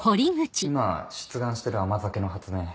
今出願してる甘酒の発明